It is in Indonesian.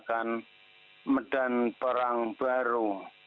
akan medan perang baru